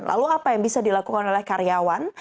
lalu apa yang bisa dilakukan oleh karyawan